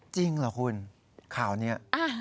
จริงเหรอคุณข่าวนี้